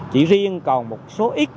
chỉ riêng còn một số ít